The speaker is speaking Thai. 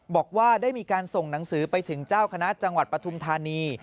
บอกว่าได้มีการส่งหนังสือไปถึงเจ้าคณะจังหวัดปฐุมธานี